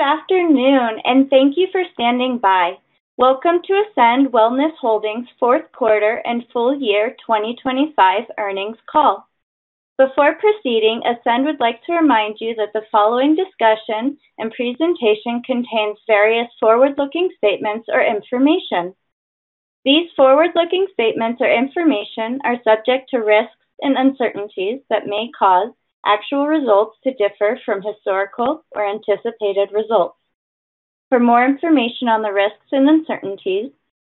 Good afternoon, and thank you for standing by. Welcome to Ascend Wellness Holdings fourth quarter and full-year 2025 earnings call. Before proceeding, Ascend would like to remind you that the following discussion and presentation contains various forward-looking statements or information. These forward-looking statements or information are subject to risks and uncertainties that may cause actual results to differ from historical or anticipated results. For more information on the risks and uncertainties,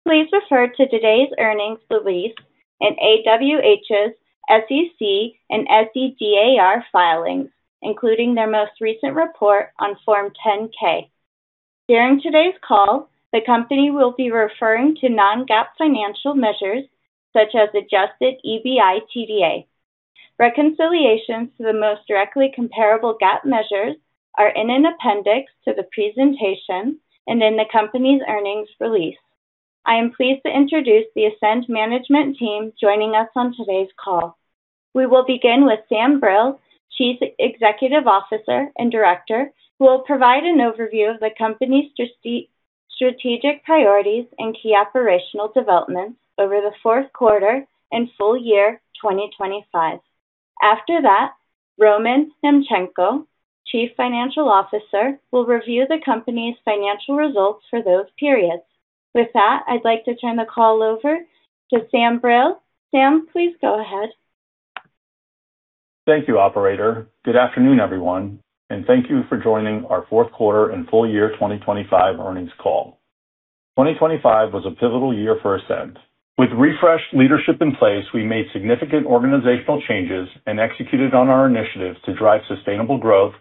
please refer to today's earnings release and AWH's SEC and SEDAR filings, including their most recent report on Form 10-K. During today's call, the company will be referring to non-GAAP financial measures such as adjusted EBITDA. Reconciliations to the most directly comparable GAAP measures are in an appendix to the presentation and in the company's earnings release. I am pleased to introduce the Ascend management team joining us on today's call. We will begin with Sam Brill, Chief Executive Officer and Director, who will provide an overview of the company's strategic priorities and key operational developments over the fourth quarter and full-year 2025. After that, Roman Nemchenko, Chief Financial Officer, will review the company's financial results for those periods. With that, I'd like to turn the call over to Sam Brill. Sam, please go ahead. Thank you, operator. Good afternoon, everyone, and thank you for joining our fourth quarter and full-year 2025 earnings call. 2025 was a pivotal year for Ascend. With refreshed leadership in place, we made significant organizational changes and executed on our initiatives to drive sustainable growth,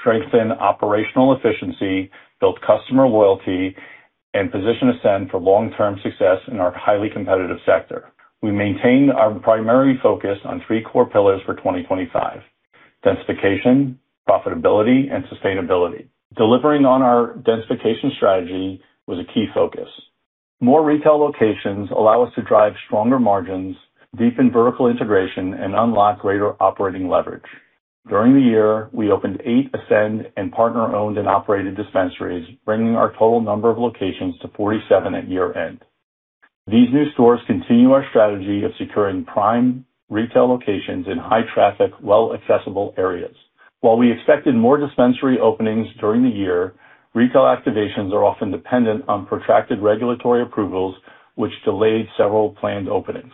strengthen operational efficiency, build customer loyalty, and position Ascend for long-term success in our highly competitive sector. We maintained our primary focus on three core pillars for 2025: densification, profitability, and sustainability. Delivering on our densification strategy was a key focus. More retail locations allow us to drive stronger margins, deepen vertical integration, and unlock greater operating leverage. During the year, we opened eight Ascend and partner-owned and operated dispensaries, bringing our total number of locations to 47 at year-end. These new stores continue our strategy of securing prime retail locations in high-traffic, well-accessible areas. While we expected more dispensary openings during the year, retail activations are often dependent on protracted regulatory approvals, which delayed several planned openings.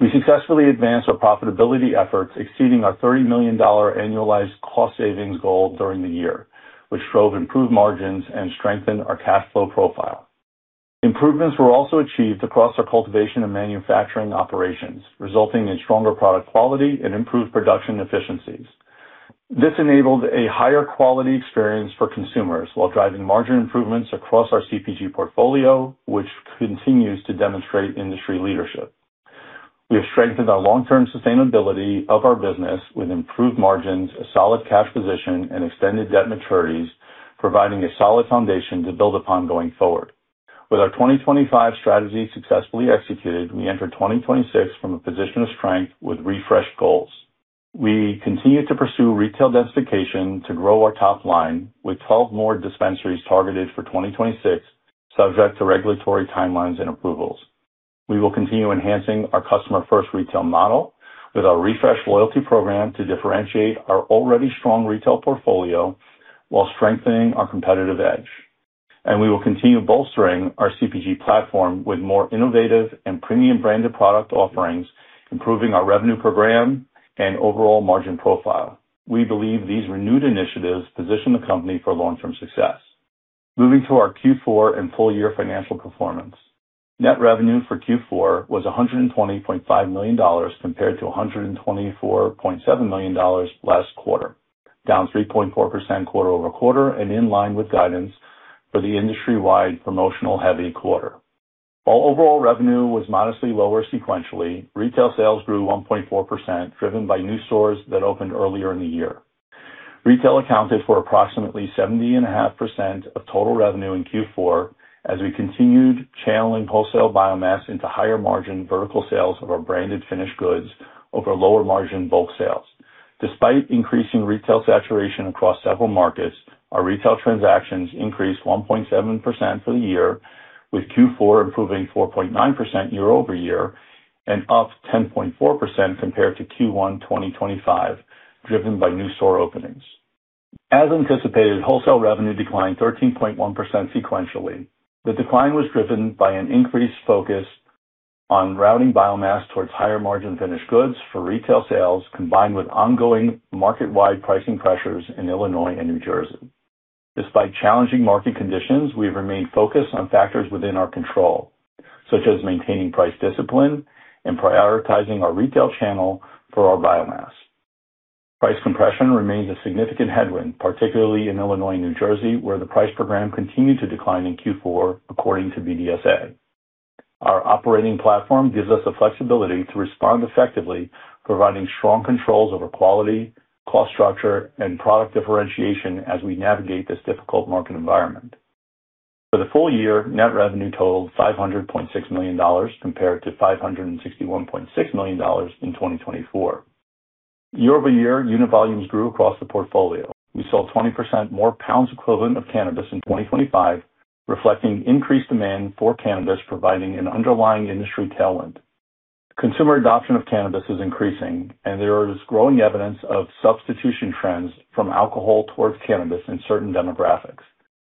We successfully advanced our profitability efforts, exceeding our $30 million annualized cost savings goal during the year, which drove improved margins and strengthened our cash flow profile. Improvements were also achieved across our cultivation and manufacturing operations, resulting in stronger product quality and improved production efficiencies. This enabled a higher quality experience for consumers while driving margin improvements across our CPG portfolio, which continues to demonstrate industry leadership. We have strengthened our long-term sustainability of our business with improved margins, a solid cash position, and extended debt maturities, providing a solid foundation to build upon going forward. With our 2025 strategy successfully executed, we enter 2026 from a position of strength with refreshed goals. We continue to pursue retail densification to grow our top line with 12 more dispensaries targeted for 2026, subject to regulatory timelines and approvals. We will continue enhancing our customer-first retail model with our refreshed loyalty program to differentiate our already strong retail portfolio while strengthening our competitive edge. We will continue bolstering our CPG platform with more innovative and premium branded product offerings, improving our revenue program and overall margin profile. We believe these renewed initiatives position the company for long-term success. Moving to our Q4 and full-year financial performance, net revenue for Q4 was $120.5 million compared to $124.7 million last quarter, down 3.4% quarter-over-quarter and in line with guidance for the industry-wide promotional heavy quarter. While overall revenue was modestly lower sequentially, retail sales grew 1.4%, driven by new stores that opened earlier in the year. Retail accounted for approximately 70.5% of total revenue in Q4 as we continued channeling wholesale biomass into higher margin vertical sales of our branded finished goods over lower margin bulk sales. Despite increasing retail saturation across several markets, our retail transactions increased 1.7% for the year, with Q4 improving 4.9% year-over-year and up 10.4% compared to Q1 2025, driven by new store openings. As anticipated, wholesale revenue declined 13.1% sequentially. The decline was driven by an increased focus on routing biomass towards higher margin finished goods for retail sales, combined with ongoing market-wide pricing pressures in Illinois and New Jersey. Despite challenging market conditions, we have remained focused on factors within our control, such as maintaining price discipline and prioritizing our retail channel for our biomass. Price compression remains a significant headwind, particularly in Illinois and New Jersey, where the price per gram continued to decline in Q4 according to BDSA. Our operating platform gives us the flexibility to respond effectively, providing strong controls over quality, cost structure, and product differentiation as we navigate this difficult market environment. The full-year net revenue totaled $500.6 million compared to $561.6 million in 2024. Year-over-year unit volumes grew across the portfolio. We saw 20% more pounds equivalent of cannabis in 2025, reflecting increased demand for cannabis, providing an underlying industry tailwind. Consumer adoption of cannabis is increasing, and there is growing evidence of substitution trends from alcohol towards cannabis in certain demographics.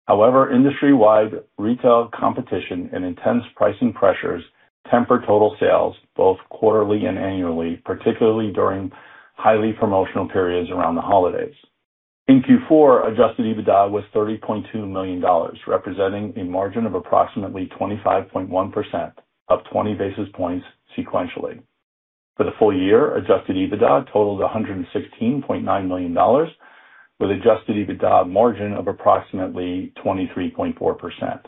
However, industry-wide retail competition and intense pricing pressures temper total sales both quarterly and annually, particularly during highly promotional periods around the holidays. In Q4, adjusted EBITDA was $30.2 million, representing a margin of approximately 25.1%, up 20 basis points sequentially. For the full-year, adjusted EBITDA totaled $116.9 million, with adjusted EBITDA margin of approximately 23.4%.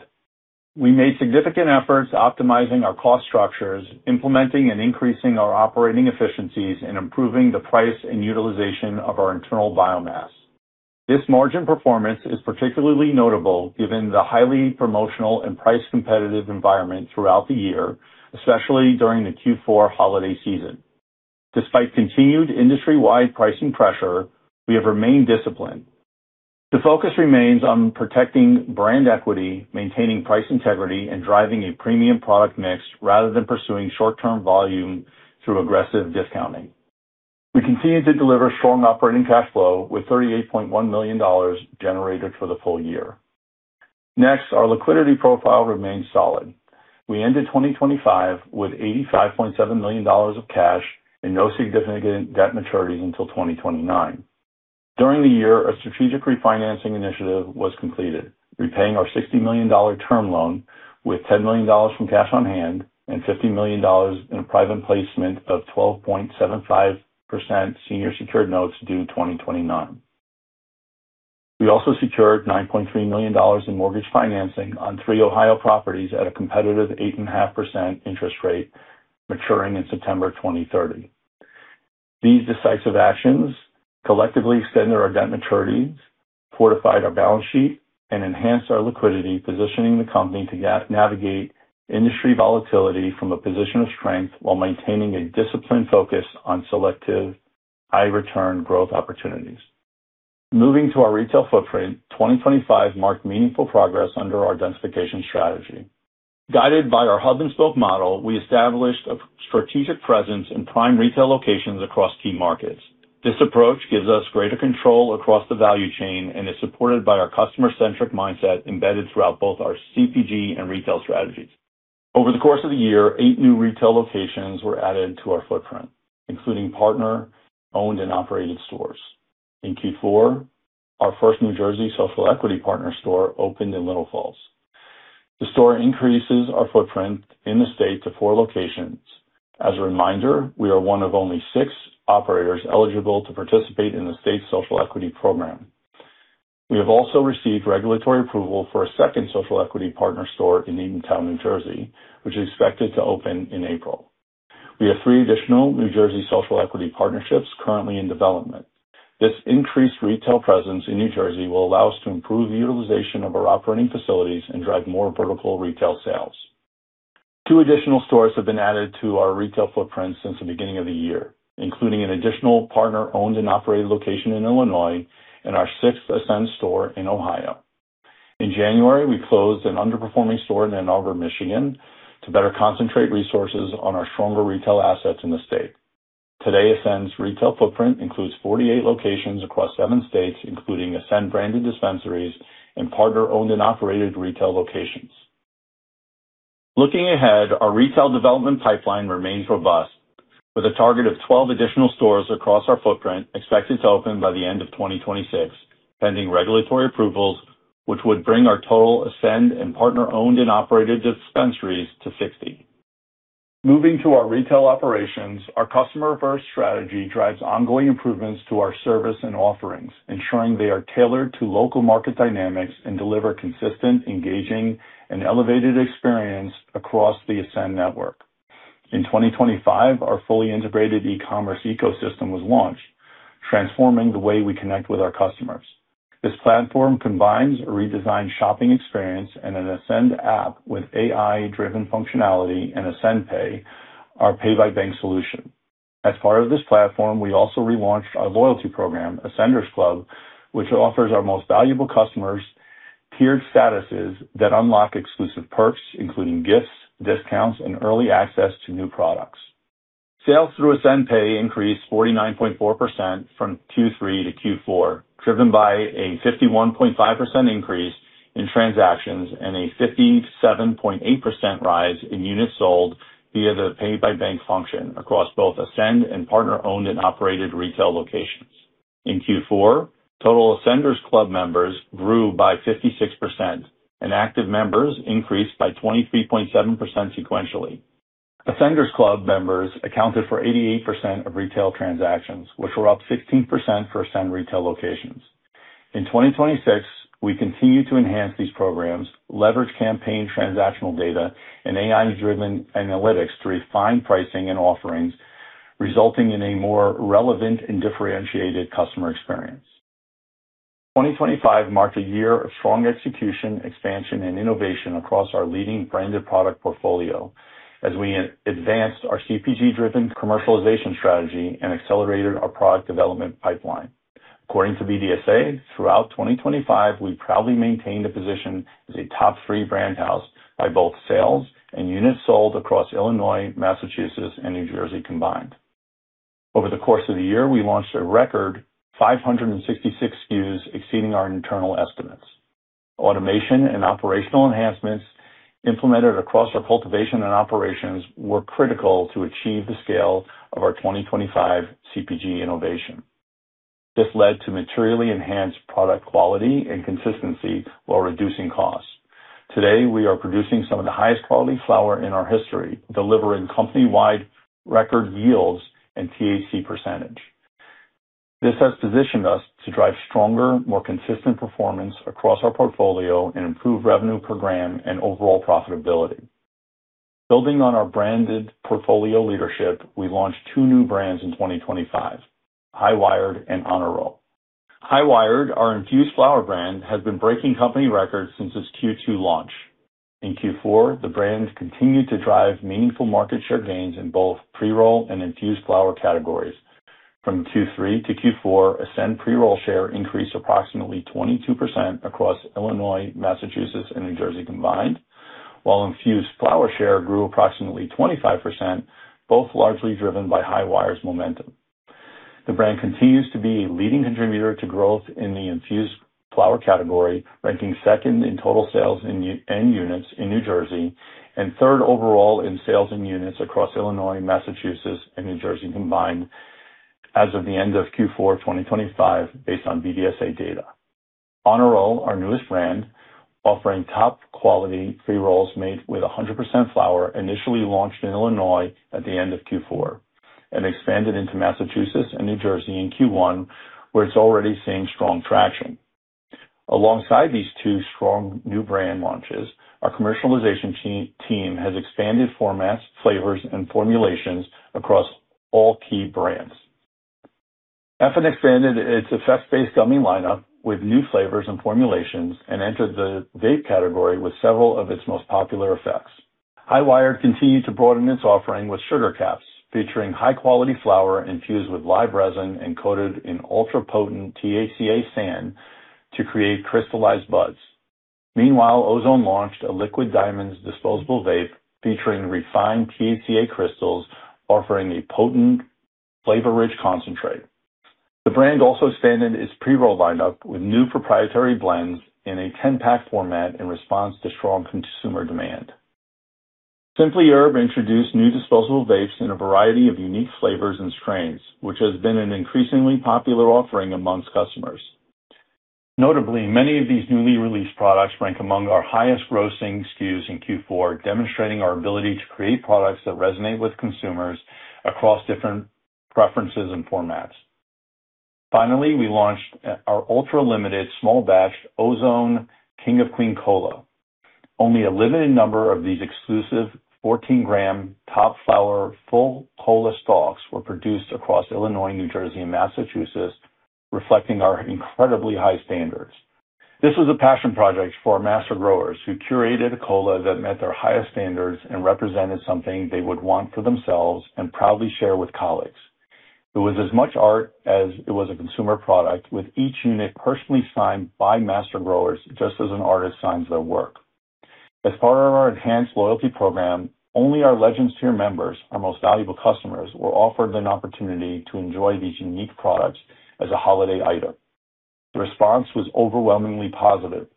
We made significant efforts optimizing our cost structures, implementing and increasing our operating efficiencies, and improving the price and utilization of our internal biomass. This margin performance is particularly notable given the highly promotional and price competitive environment throughout the year, especially during the Q4 holiday season. Despite continued industry-wide pricing pressure, we have remained disciplined. The focus remains on protecting brand equity, maintaining price integrity, and driving a premium product mix rather than pursuing short-term volume through aggressive discounting. We continue to deliver strong operating cash flow with $38.1 million generated for the full-year. Next, our liquidity profile remains solid. We ended 2025 with $85.7 million of cash and no significant debt maturities until 2029. During the year, our strategic refinancing initiative was completed, repaying our $60 million term loan with $10 million from cash on hand and $50 million in private placement of 12.75% senior secured notes due 2029. We also secured $9.3 million in mortgage financing on three Ohio properties at a competitive 8.5% interest rate maturing in September 2030. These decisive actions collectively extended our debt maturities, fortified our balance sheet, and enhanced our liquidity, positioning the company to navigate industry volatility from a position of strength while maintaining a disciplined focus on selective high return growth opportunities. Moving to our retail footprint, 2025 marked meaningful progress under our densification strategy. Guided by our hub and spoke model, we established a strategic presence in prime retail locations across key markets. This approach gives us greater control across the value chain and is supported by our customer-centric mindset embedded throughout both our CPG and retail strategies. Over the course of the year, eight new retail locations were added to our footprint, including partner-owned and operated stores. In Q4, our first New Jersey social equity partner store opened in Little Falls. The store increases our footprint in the state to four locations. As a reminder, we are one of only six operators eligible to participate in the state's social equity program. We have also received regulatory approval for a second social equity partner store in Eatontown, New Jersey, which is expected to open in April. We have three additional New Jersey social equity partnerships currently in development. This increased retail presence in New Jersey will allow us to improve the utilization of our operating facilities and drive more vertical retail sales. Two additional stores have been added to our retail footprint since the beginning of the year, including an additional partner owned and operated location in Illinois and our sixth Ascend store in Ohio. In January, we closed an underperforming store in Ann Arbor, Michigan, to better concentrate resources on our stronger retail assets in the state. Today, Ascend's retail footprint includes 48 locations across seven states, including Ascend-branded dispensaries and partner owned and operated retail locations. Looking ahead, our retail development pipeline remains robust with a target of 12 additional stores across our footprint expected to open by the end of 2026, pending regulatory approvals which would bring our total Ascend and partner owned and operated dispensaries to 60. Moving to our retail operations, our customer-first strategy drives ongoing improvements to our service and offerings, ensuring they are tailored to local market dynamics and deliver consistent, engaging, and elevated experience across the Ascend network. In 2025, our fully integrated e-commerce ecosystem was launched, transforming the way we connect with our customers. This platform combines a redesigned shopping experience and an Ascend app with AI-driven functionality and Ascend Pay, our pay-by-bank solution. As part of this platform, we also relaunched our loyalty program, Ascenders Club, which offers our most valuable customers tiered statuses that unlock exclusive perks, including gifts, discounts, and early access to new products. Sales through Ascend Pay increased 49.4% from Q3 to Q4, driven by a 51.5% increase in transactions and a 57.8% rise in units sold via the pay by bank function across both Ascend and partner-owned and operated retail locations. In Q4, total Ascenders Club members grew by 56%, and active members increased by 23.7% sequentially. Ascenders Club members accounted for 88% of retail transactions, which were up 16% for Ascend retail locations. In 2026, we continue to enhance these programs, leverage campaign transactional data, and AI-driven analytics to refine pricing and offerings. Resulting in a more relevant and differentiated customer experience. 2025 marked a year of strong execution, expansion, and innovation across our leading branded product portfolio as we advanced our CPG-driven commercialization strategy and accelerated our product development pipeline. According to BDSA, throughout 2025, we proudly maintained a position as a top three brand house by both sales and units sold across Illinois, Massachusetts, and New Jersey combined. Over the course of the year, we launched a record 566 SKUs, exceeding our internal estimates. Automation and operational enhancements implemented across our cultivation and operations were critical to achieve the scale of our 2025 CPG innovation. This led to materially enhanced product quality and consistency while reducing costs. Today, we are producing some of the highest quality flower in our history, delivering company-wide record yields and THC percentage. This has positioned us to drive stronger, more consistent performance across our portfolio and improve revenue per gram and overall profitability. Building on our branded portfolio leadership, we launched two new brands in 2025, High Wired and Honor Roll. High Wired, our infused flower brand, has been breaking company records since its Q2 launch. In Q4, the brand continued to drive meaningful market share gains in both pre-roll and infused flower categories. From Q3-Q4, Ascend pre-roll share increased approximately 22% across Illinois, Massachusetts, and New Jersey combined, while infused flower share grew approximately 25%, both largely driven by High Wired's momentum. The brand continues to be a leading contributor to growth in the infused flower category, ranking second in total sales and units in New Jersey and third overall in sales and units across Illinois, Massachusetts, and New Jersey combined as of the end of Q4 of 2025, based on BDSA data. Honor Roll, our newest brand, offering top-quality pre-rolls made with 100% flower, initially launched in Illinois at the end of Q4 and expanded into Massachusetts and New Jersey in Q1, where it's already seeing strong traction. Alongside these two strong new brand launches, our commercialization team has expanded formats, flavors, and formulations across all key brands. Effin' expanded its effects-based gummy lineup with new flavors and formulations and entered the vape category with several of its most popular effects. High Wired continued to broaden its offering with sugar caps, featuring high-quality flower infused with live resin and coated in ultra-potent THCA sand to create crystallized buds. Meanwhile, Ozone launched a liquid diamonds disposable vape featuring refined THCA crystals, offering a potent flavor-rich concentrate. The brand also expanded its pre-roll lineup with new proprietary blends in a 10-pack format in response to strong consumer demand. Simply Herb introduced new disposable vapes in a variety of unique flavors and strains, which has been an increasingly popular offering among customers. Notably, many of these newly released products rank among our highest grossing SKUs in Q4, demonstrating our ability to create products that resonate with consumers across different preferences and formats. Finally, we launched our ultra-limited small batch Ozone King of Queen Cola. Only a limited number of these exclusive 14 g top flower full cola stalks were produced across Illinois, New Jersey, and Massachusetts, reflecting our incredibly high standards. This was a passion project for our master growers who curated a cola that met their highest standards and represented something they would want for themselves and proudly share with colleagues. It was as much art as it was a consumer product, with each unit personally signed by master growers, just as an artist signs their work. As part of our enhanced loyalty program, only our Legends tier members, our most valuable customers, were offered an opportunity to enjoy these unique products as a holiday item. The response was overwhelmingly positive,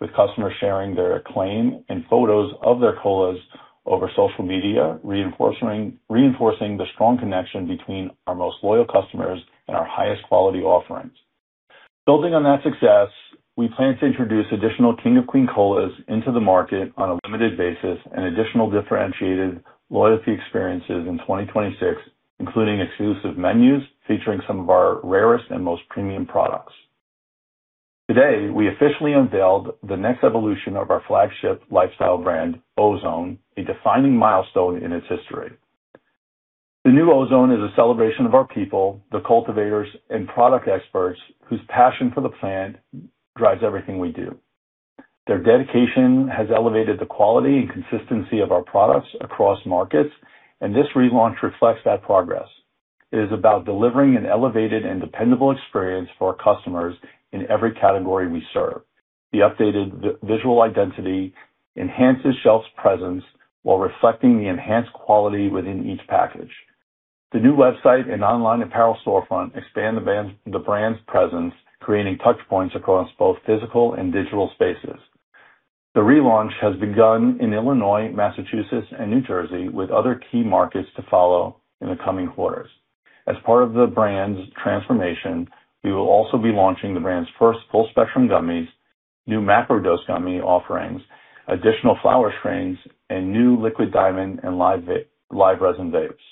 with customers sharing their acclaim and photos of their colas over social media, reinforcing the strong connection between our most loyal customers and our highest quality offerings. Building on that success, we plan to introduce additional King of Queen Colas into the market on a limited basis and additional differentiated loyalty experiences in 2026, including exclusive menus featuring some of our rarest and most premium products. Today, we officially unveiled the next evolution of our flagship lifestyle brand, Ozone, a defining milestone in its history. The new Ozone is a celebration of our people, the cultivators and product experts whose passion for the plant drives everything we do. Their dedication has elevated the quality and consistency of our products across markets, and this relaunch reflects that progress. It is about delivering an elevated and dependable experience for our customers in every category we serve. The updated visual identity enhances shelf presence while reflecting the enhanced quality within each package. The new website and online apparel storefront expand the brand's presence, creating touch points across both physical and digital spaces. The relaunch has begun in Illinois, Massachusetts, and New Jersey, with other key markets to follow in the coming quarters. As part of the brand's transformation, we will also be launching the brand's first full-spectrum gummies, new macro dose gummy offerings, additional flower strains, and new liquid diamonds and live resin vapes.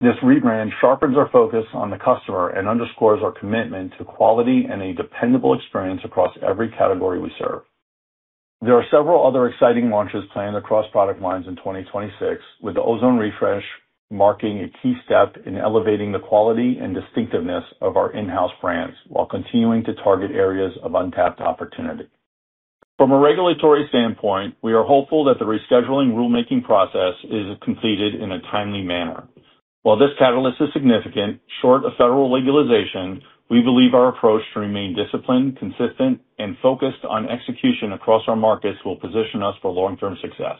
This rebrand sharpens our focus on the customer and underscores our commitment to quality and a dependable experience across every category we serve. There are several other exciting launches planned across product lines in 2026, with the Ozone refresh marking a key step in elevating the quality and distinctiveness of our in-house brands while continuing to target areas of untapped opportunity. From a regulatory standpoint, we are hopeful that the rescheduling rulemaking process is completed in a timely manner. While this catalyst is significant, short of federal legalization, we believe our approach to remain disciplined, consistent, and focused on execution across our markets will position us for long-term success.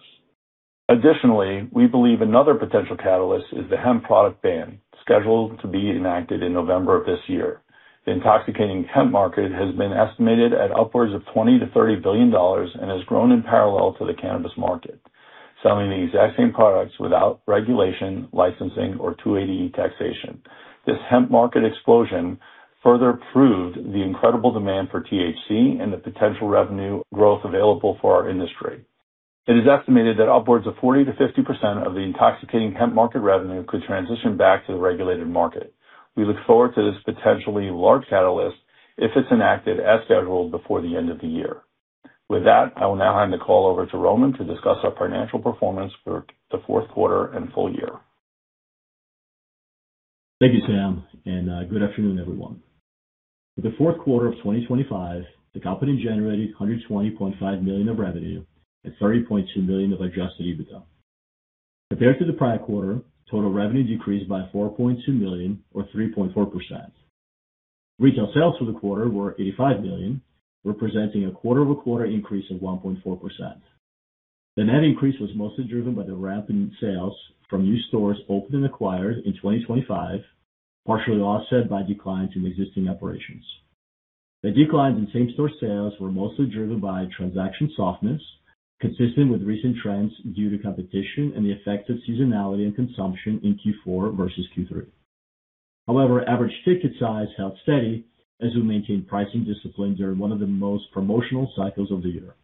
Additionally, we believe another potential catalyst is the hemp product ban, scheduled to be enacted in November of this year. The intoxicating hemp market has been estimated at upwards of $20 billion-$30 billion and has grown in parallel to the cannabis market, selling the exact same products without regulation, licensing, or 280E taxation. This hemp market explosion further proved the incredible demand for THC and the potential revenue growth available for our industry. It is estimated that upwards of 40%-50% of the intoxicating hemp market revenue could transition back to the regulated market. We look forward to this potentially large catalyst if it's enacted as scheduled before the end of the year. With that, I will now hand the call over to Roman to discuss our financial performance for the fourth quarter and full-year. Thank you, Sam, and good afternoon, everyone. For the fourth quarter of 2025, the company generated $120.5 million of revenue at $30.2 million of adjusted EBITDA. Compared to the prior quarter, total revenue decreased by $4.2 million or 3.4%. Retail sales for the quarter were $85 million, representing a quarter-over-quarter increase of 1.4%. The net increase was mostly driven by the ramp in sales from new stores opened and acquired in 2025, partially offset by declines in existing operations. The declines in same store sales were mostly driven by transaction softness, consistent with recent trends due to competition and the effect of seasonality and consumption in Q4 versus Q3. However, average ticket size held steady as we maintained pricing discipline during one of the most promotional cycles of the year.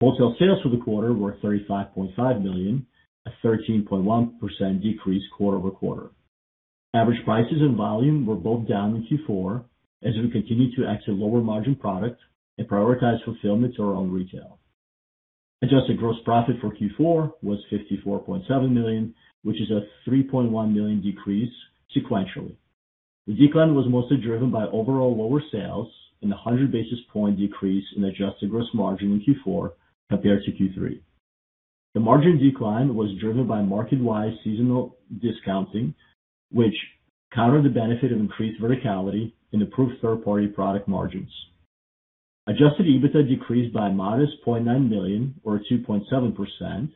Wholesale sales for the quarter were $35.5 million, a 13.1% decrease quarter-over-quarter. Average prices and volume were both down in Q4 as we continued to exit lower margin product and prioritize fulfillment to our own retail. Adjusted gross profit for Q4 was $54.7 million, which is a $3.1 million decrease sequentially. The decline was mostly driven by overall lower sales and a 100 basis point decrease in adjusted gross margin in Q4 compared to Q3. The margin decline was driven by market-wide seasonal discounting, which countered the benefit of increased verticality in improved third-party product margins. Adjusted EBITDA decreased by a modest $0.9 million or 2.7% as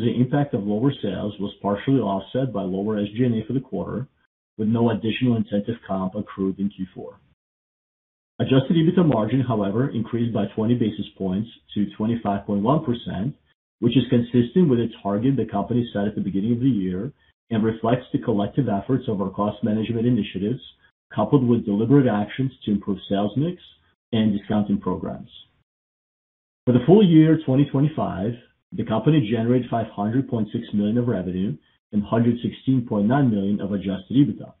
the impact of lower sales was partially offset by lower SG&A for the quarter, with no additional incentive comp accrued in Q4. Adjusted EBITDA margin, however, increased by 20 basis points to 25.1%, which is consistent with the target the company set at the beginning of the year and reflects the collective efforts of our cost management initiatives, coupled with deliberate actions to improve sales mix and discounting programs. For the full-year 2025, the company generated $500.6 million of revenue and $116.9 million of adjusted EBITDA.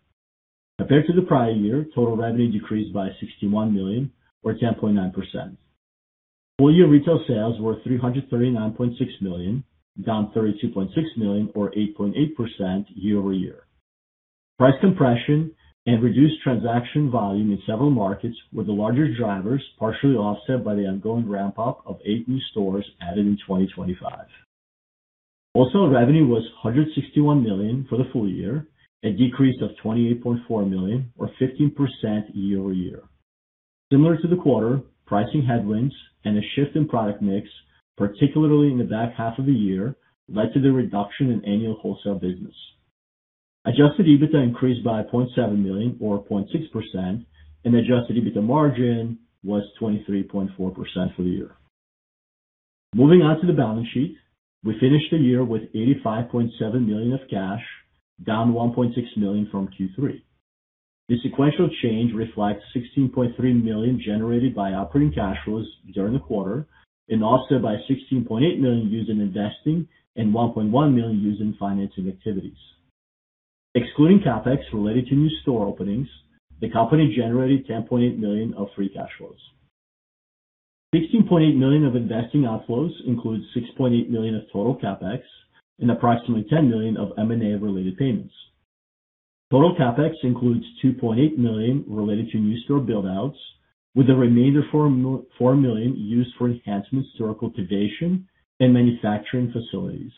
Compared to the prior year, total revenue decreased by $61 million or 10.9%. Full-year retail sales were $339.6 million, down $32.6 million or 8.8% year-over-year. Price compression and reduced transaction volume in several markets were the larger drivers, partially offset by the ongoing ramp-up of eight new stores added in 2025. Wholesale revenue was $161 million for the full-year, a decrease of $28.4 million or 15% year-over-year. Similar to the quarter, pricing headwinds and a shift in product mix, particularly in the back half of the year, led to the reduction in annual wholesale business. Adjusted EBITDA increased by $0.7 million or 0.6%, and adjusted EBITDA margin was 23.4% for the year. Moving on to the balance sheet. We finished the year with $85.7 million of cash, down $1.6 million from Q3. The sequential change reflects $16.3 million generated by operating cash flows during the quarter and offset by $16.8 million used in investing and $1.1 million used in financing activities. Excluding CapEx related to new store openings, the company generated $10.8 million of free cash flows. $16.8 million of investing outflows includes $6.8 million of total CapEx and approximately $10 million of M&A-related payments. Total CapEx includes $2.8 million related to new store build-outs, with the remainder $4 million used for enhancements to our cultivation and manufacturing facilities.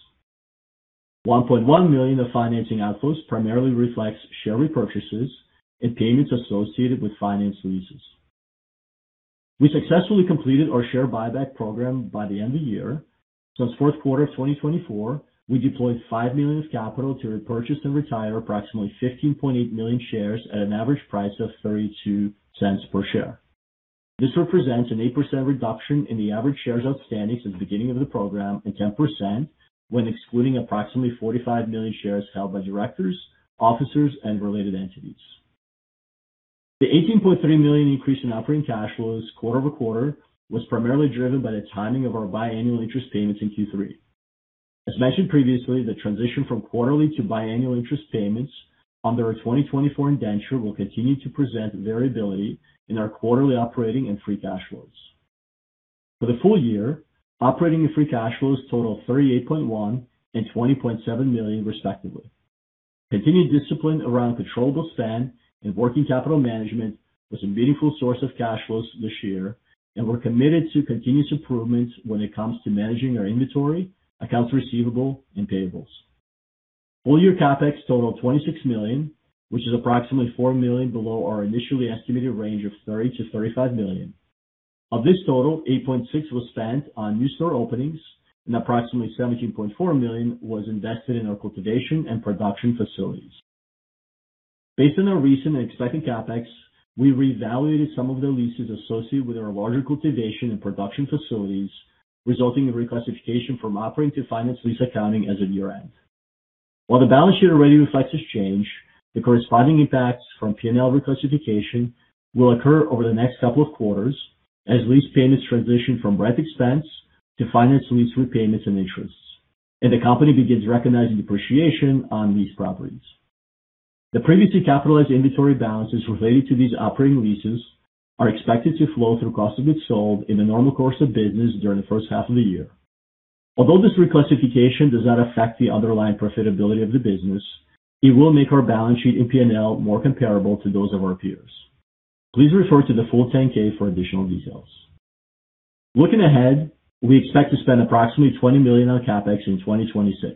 $1.1 million of financing outflows primarily reflects share repurchases and payments associated with finance leases. We successfully completed our share buyback program by the end of the year. Since fourth quarter of 2024, we deployed $5 million of capital to repurchase and retire approximately 15.8 million shares at an average price of $0.32 per share. This represents an 8% reduction in the average shares outstanding since the beginning of the program and 10% when excluding approximately 45 million shares held by Directors, officers, and related entities. The $18.3 million increase in operating cash flows quarter-over-quarter was primarily driven by the timing of our biannual interest payments in Q3. As mentioned previously, the transition from quarterly to biannual interest payments under our 2024 indenture will continue to present variability in our quarterly operating and free cash flows. For the full-year, operating and free cash flows total $38.1 million and $20.7 million, respectively. Continued discipline around controllable spend and working capital management was a meaningful source of cash flows this year, and we're committed to continuous improvements when it comes to managing our inventory, accounts receivable, and payables. Full year CapEx totaled $26 million, which is approximately $4 million below our initially estimated range of $30 million-$35 million. Of this total, $8.6 million was spent on new store openings and approximately $17.4 million was invested in our cultivation and production facilities. Based on our recent and expected CapEx, we reevaluated some of the leases associated with our larger cultivation and production facilities, resulting in reclassification from operating to finance lease accounting as of year-end. While the balance sheet already reflects this change, the corresponding impacts from P&L reclassification will occur over the next couple of quarters as lease payments transition from rent expense to finance lease repayments and interests, and the company begins recognizing depreciation on these properties. The previously capitalized inventory balances related to these operating leases are expected to flow through cost of goods sold in the normal course of business during the first half of the year. Although this reclassification does not affect the underlying profitability of the business, it will make our balance sheet in P&L more comparable to those of our peers. Please refer to the full 10-K for additional details. Looking ahead, we expect to spend approximately $20 million on CapEx in 2026.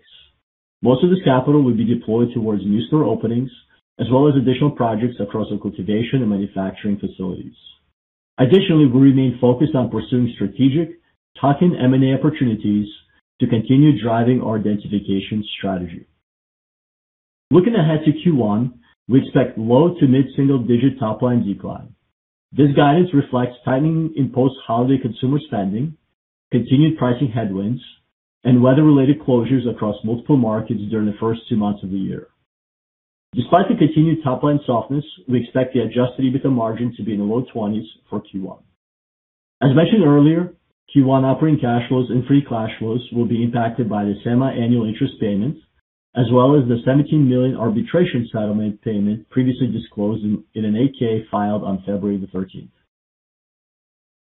Most of this capital will be deployed towards new store openings as well as additional projects across our cultivation and manufacturing facilities. Additionally, we remain focused on pursuing strategic tuck-in M&A opportunities to continue driving our densification strategy. Looking ahead to Q1, we expect low- to mid-single-digit top line decline. This guidance reflects timing in post-holiday consumer spending, continued pricing headwinds, and weather-related closures across multiple markets during the first two months of the year. Despite the continued top-line softness, we expect the adjusted EBITDA margin to be in the low 20s% for Q1. As mentioned earlier, Q1 operating cash flows and free cash flows will be impacted by the semiannual interest payments as well as the $17 million arbitration settlement payment previously disclosed in an 8-K filed on February 13.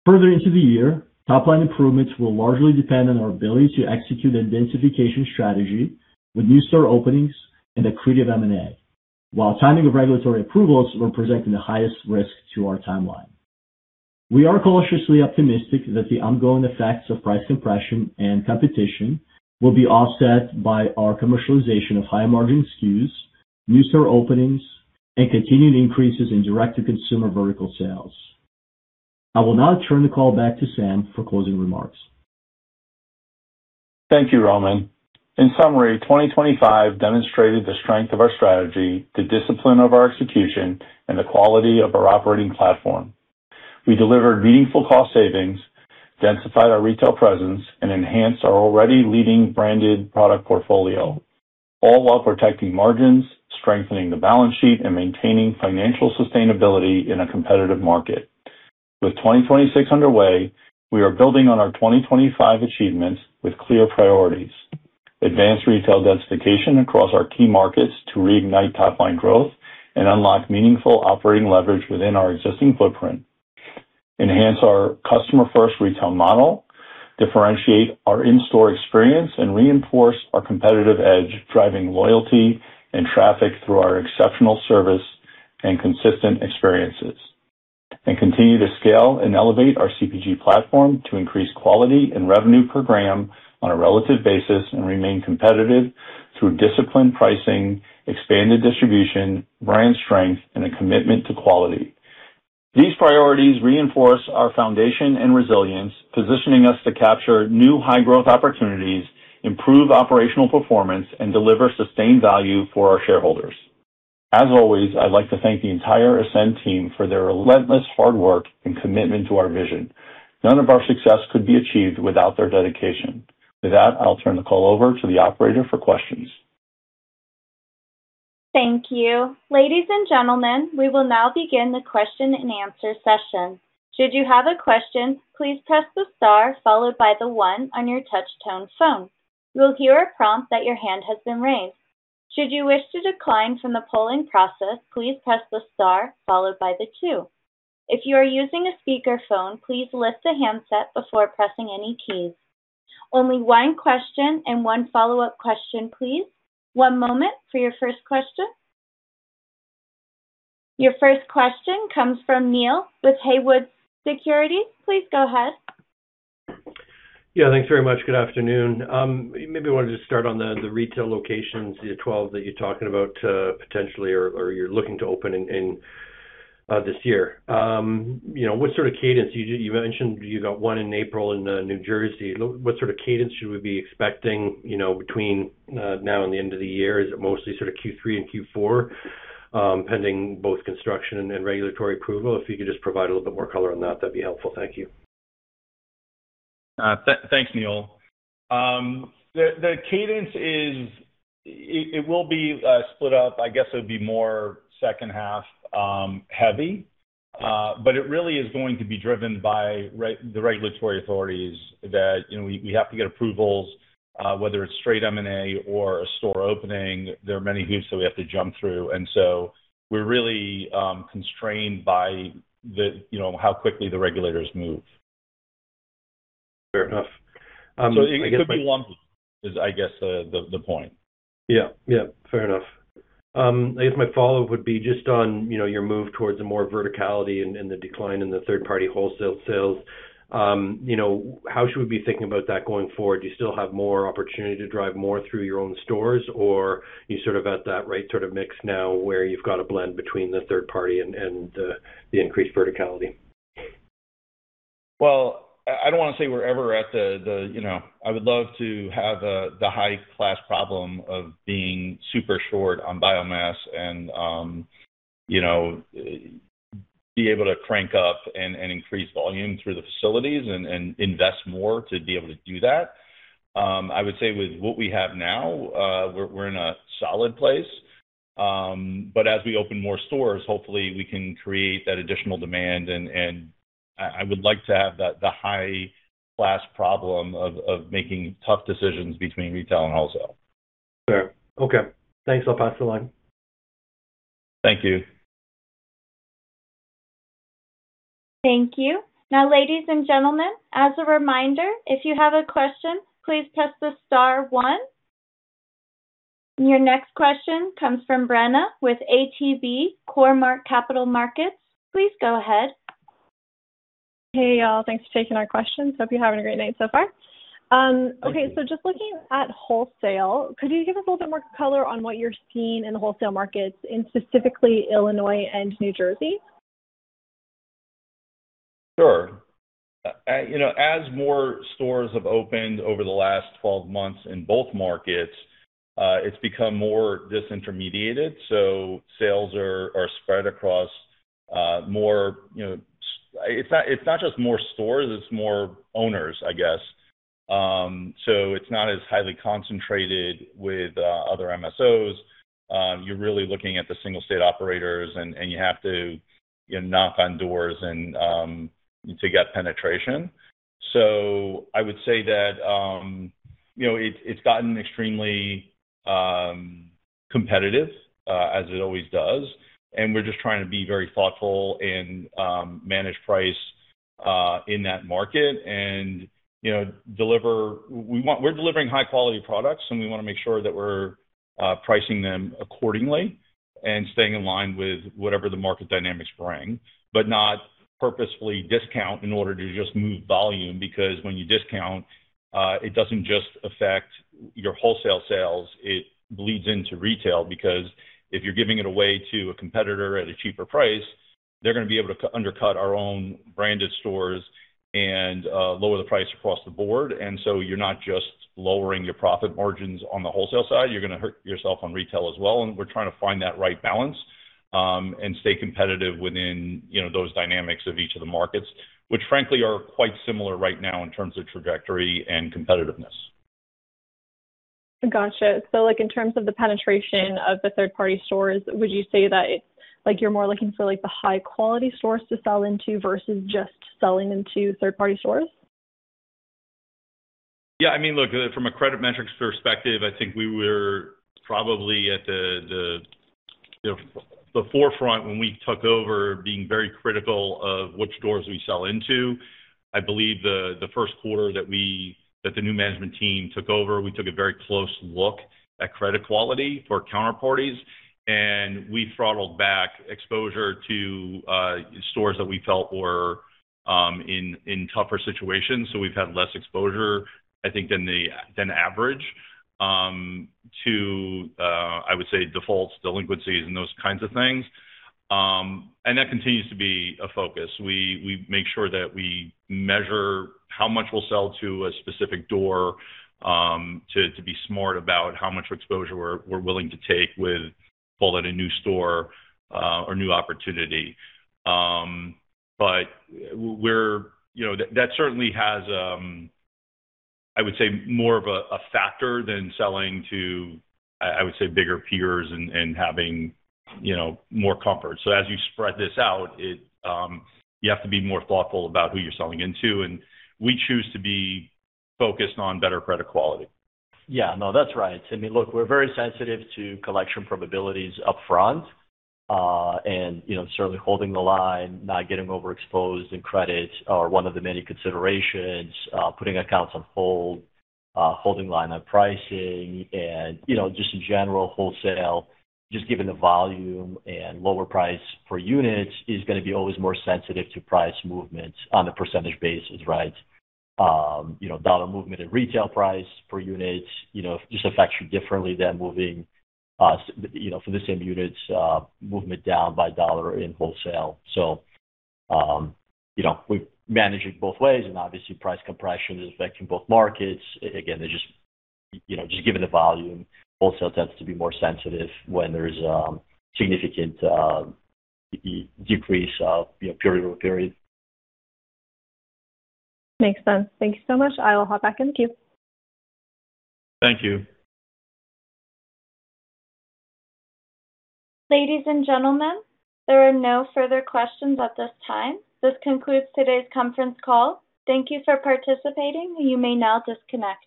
Further into the year, top-line improvements will largely depend on our ability to execute a densification strategy with new store openings and accretive M&A, while timing of regulatory approvals will present the highest risk to our timeline. We are cautiously optimistic that the ongoing effects of price compression and competition will be offset by our commercialization of higher-margin SKUs, new store openings, and continued increases in direct-to-consumer vertical sales. I will now turn the call back to Sam for closing remarks. Thank you, Roman. In summary, 2025 demonstrated the strength of our strategy, the discipline of our execution, and the quality of our operating platform. We delivered meaningful cost savings, densified our retail presence, and enhanced our already leading branded product portfolio, all while protecting margins, strengthening the balance sheet, and maintaining financial sustainability in a competitive market. With 2026 underway, we are building on our 2025 achievements with clear priorities. Advance retail densification across our key markets to reignite top-line growth and unlock meaningful operating leverage within our existing footprint. Enhance our customer-first retail model, differentiate our in-store experience, and reinforce our competitive edge, driving loyalty and traffic through our exceptional service and consistent experiences. Continue to scale and elevate our CPG platform to increase quality and revenue per gram on a relative basis and remain competitive through disciplined pricing, expanded distribution, brand strength, and a commitment to quality. These priorities reinforce our foundation and resilience, positioning us to capture new high-growth opportunities, improve operational performance, and deliver sustained value for our shareholders. As always, I'd like to thank the entire Ascend team for their relentless hard work and commitment to our vision. None of our success could be achieved without their dedication. With that, I'll turn the call over to the operator for questions. Thank you. Ladies and gentlemen, we will now begin the question-and-answer session. Should you have a question, please press the Star followed by the one on your touch tone phone. You will hear a prompt that your hand has been raised. Should you wish to decline from the polling process, please press the Star followed by the two. If you are using a speakerphone, please lift the handset before pressing any keys. Only one question and one follow-up question, please. One moment for your first question. Your first question comes from Neal with Haywood Securities. Please go ahead. Yeah, thanks very much. Good afternoon. Maybe wanted to start on the retail locations, the 12 that you're talking about, potentially or you're looking to open in this year. You know, what sort of cadence you mentioned you got one in April in New Jersey. What sort of cadence should we be expecting, you know, between now and the end of the year? Is it mostly sort of Q3 and Q4, pending both construction and regulatory approval? If you could just provide a little bit more color on that'd be helpful. Thank you. Thanks, Neal. The cadence is split up. I guess it would be more second half heavy. It really is going to be driven by the regulatory authorities that, you know, we have to get approvals, whether it's straight M&A or a store opening, there are many hoops that we have to jump through. We're really constrained by the, you know, how quickly the regulators move. Fair enough. I guess my It could be lumpy, I guess, is the point. Yeah. Yeah. Fair enough. I guess my follow-up would be just on, you know, your move towards a more verticality and the decline in the third-party wholesale sales. You know, how should we be thinking about that going forward? Do you still have more opportunity to drive more through your own stores, or you sort of at that right sort of mix now where you've got a blend between the third party and the increased verticality? Well, I don't wanna say we're ever. You know, I would love to have the high class problem of being super short on biomass and, you know, be able to crank up and increase volume through the facilities and invest more to be able to do that. I would say with what we have now, we're in a solid place. As we open more stores, hopefully we can create that additional demand and I would like to have the high class problem of making tough decisions between retail and wholesale. Fair. Okay. Thanks. I'll pass the line. Thank you. Thank you. Now, ladies and gentlemen, as a reminder, if you have a question, please press the Star one. Your next question comes from Brenna with ATB Capital Markets. Please go ahead. Hey, y'all. Thanks for taking our questions. Hope you're having a great night so far. Thank you. Okay, just looking at wholesale, could you give us a little bit more color on what you're seeing in the wholesale markets in specifically Illinois and New Jersey? Sure. You know, as more stores have opened over the last 12 months in both markets, it's become more disintermediated, so sales are spread across more, you know. It's not just more stores, it's more owners, I guess. So it's not as highly concentrated with other MSOs. You're really looking at the single state operators and you have to, you know, knock on doors and to get penetration. So I would say that, you know, it's gotten extremely competitive, as it always does, and we're just trying to be very thoughtful and manage price in that market and, you know, deliver. We're delivering high quality products, and we wanna make sure that we're pricing them accordingly and staying in line with whatever the market dynamics bring, but not purposefully discount in order to just move volume. Because when you discount, it doesn't just affect your wholesale sales, it bleeds into retail because if you're giving it away to a competitor at a cheaper price, they're gonna be able to undercut our own branded stores and lower the price across the board. You're not just lowering your profit margins on the wholesale side, you're gonna hurt yourself on retail as well. We're trying to find that right balance and stay competitive within, you know, those dynamics of each of the markets, which frankly are quite similar right now in terms of trajectory and competitiveness. Gotcha. Like in terms of the penetration of the third-party stores, would you say that it's like you're more looking for like the high-quality stores to sell into versus just selling into third-party stores? Yeah. I mean, look, from a credit metrics perspective, I think we were probably at the forefront when we took over being very critical of which stores we sell into. I believe the first quarter that the new management team took over, we took a very close look at credit quality for counterparties, and we throttled back exposure to stores that we felt were in tougher situations. We've had less exposure, I think, than average to I would say defaults, delinquencies and those kinds of things. That continues to be a focus. We make sure that we measure how much we'll sell to a specific store to be smart about how much exposure we're willing to take with call it a new store or new opportunity. We're You know, that certainly has, I would say, more of a factor than selling to, I would say bigger peers and having, you know, more comfort. As you spread this out, it, you have to be more thoughtful about who you're selling into, and we choose to be focused on better credit quality. Yeah. No, that's right. I mean, look, we're very sensitive to collection probabilities upfront. You know, certainly holding the line, not getting overexposed in credits are one of the many considerations, putting accounts on hold, holding line on pricing and, you know, just in general, wholesale, just given the volume and lower price per unit is gonna be always more sensitive to price movements on a percentage basis, right? You know, dollar movement and retail price per unit, you know, just affects you differently than moving, you know, for the same units, movement down by dollar in wholesale. You know, we manage it both ways, and obviously price compression is affecting both markets. Again, they're just, you know, just given the volume, wholesale tends to be more sensitive when there's significant decrease of, you know, period-over-period. Makes sense. Thank you so much. I'll hop back in the queue. Thank you. Ladies and gentlemen, there are no further questions at this time. This concludes today's conference call. Thank you for participating. You may now disconnect.